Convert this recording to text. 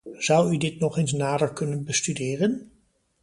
Zou u dit nog eens nader kunnen bestuderen?